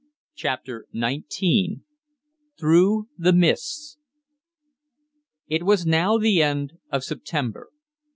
CHAPTER NINETEEN THROUGH THE MISTS It was now the end of September.